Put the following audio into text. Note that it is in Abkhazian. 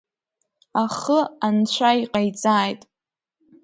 Ахы анцәа иҟаиҵааит.